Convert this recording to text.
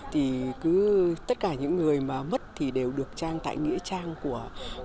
thì cứ tất cả những người mà mất thì đều được trang tại nghĩa trang của